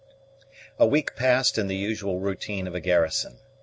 A week passed in the usual routine of a garrison.